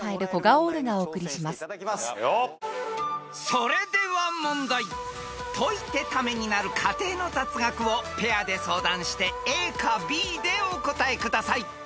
［それでは問題解いてタメになる家庭の雑学をペアで相談してＡかＢでお答えください］